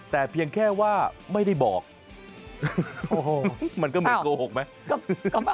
แต่เพียงแค่ว่าไม่ได้บอกโอ้โหมันก็เหมือนโกหกไหม